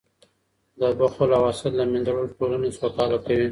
د بخل او حسد له منځه وړل ټولنه سوکاله کوي.